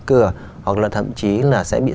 cửa hoặc là thậm chí là sẽ bị